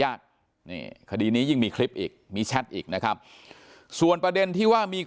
ยากนี่คดีนี้ยิ่งมีคลิปอีกมีแชทอีกนะครับส่วนประเด็นที่ว่ามี